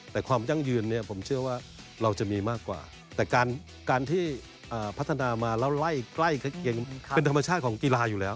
แต่ความยั่งยืนเนี่ยผมเชื่อว่าเราจะมีมากกว่าแต่การที่พัฒนามาแล้วไล่ใกล้เคียงเป็นธรรมชาติของกีฬาอยู่แล้ว